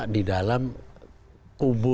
di dalam kubu